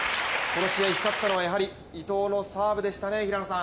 この試合光ったのはやはり伊藤のサーブでしたね。